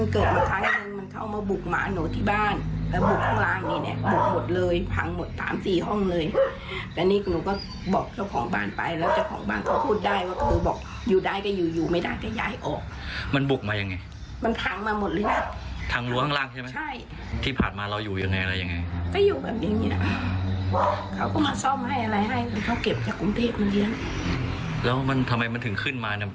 เขาก็มาซ่อมให้อะไรให้เขาเก็บจากกรุงเทพมาเลี้ยงแล้วมันทำไมมันถึงขึ้นมาเนี่ย